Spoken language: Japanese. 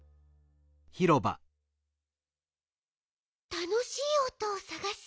たのしいおとをさがす？